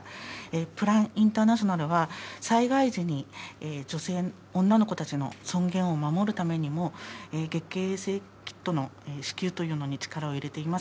プラン・インターナショナルは、災害時に女性、女の子たちの尊厳を守るためにも、月経衛生キットの支給というのに力を入れています。